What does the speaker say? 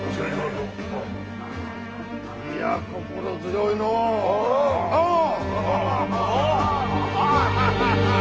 いや心強いのう。